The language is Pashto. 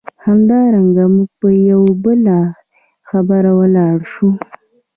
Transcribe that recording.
همدارنګه موږ یوه بله خبره ویلای شو.